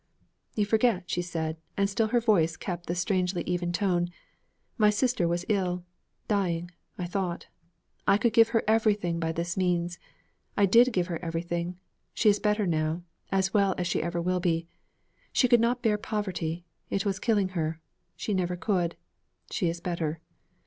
'You forget,' she said, and still her voice kept the strangely even tone. 'My sister was ill, dying, I thought. I could give her everything by this means. I did give her everything. She is better now, as well as she will ever be. She could not bear poverty; it was killing her. She never could. She is better.'